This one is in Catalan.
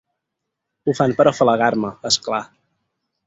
Ho fan per afalagar-me, és clar.